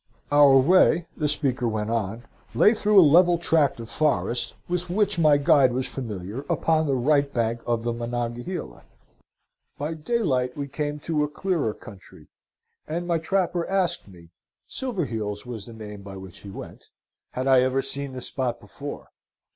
"Our way," the speaker went on, "lay through a level tract of forest with which my guide was familiar, upon the right bank of the Monongahela. By daylight we came to a clearer country, and my trapper asked me Silverheels was the name by which he went had I ever seen the spot before?